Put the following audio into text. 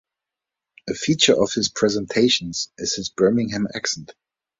A feature of his presentations is his Birmingham accent.